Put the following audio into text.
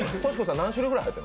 何種類くらい入ってる？